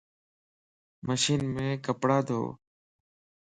مشين مَ ڪپڙا ڌو